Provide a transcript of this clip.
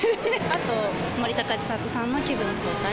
あと森高千里さんの気分爽快。